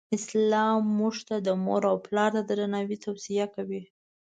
اسلام مونږ ته د مور او پلار د درناوې توصیه کوی.